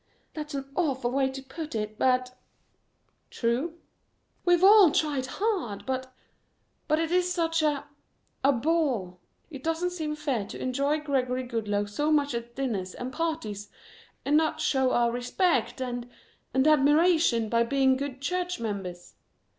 "That's an awful way to put it but " "True?" "We've all tried hard, but but it is such a a bore. It doesn't seem fair to enjoy Gregory Goodloe so much at dinners and parties and not show our respect and and admiration by being good church members.